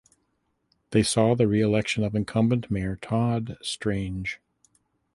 It saw the reelection of incumbent mayor Todd Strange.